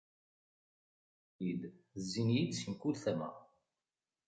Zzin-iyi-d, zzin-iyi-d si mkul tama.